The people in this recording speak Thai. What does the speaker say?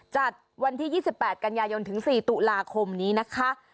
จัดวันที่๒๘กันยายนถึง๔ตุลาคมนี้นะคะ